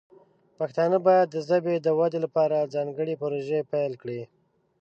پښتانه باید د ژبې د ودې لپاره ځانګړې پروژې پیل کړي.